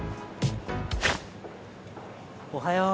おはよう。